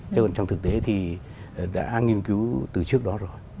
thế còn trong thực tế thì đã nghiên cứu từ trước đó rồi